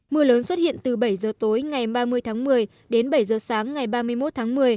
mưa lớn xuất hiện từ bảy giờ tối ngày ba mươi tháng một mươi đến bảy giờ sáng ngày ba mươi một tháng một mươi